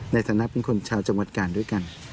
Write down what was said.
ในฐานะเป็นคนชาวจังหวัดกาลด้วยกัน